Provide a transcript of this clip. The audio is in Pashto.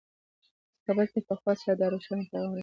کابل ته په قوت سره دا روښانه پیغام ورسېد.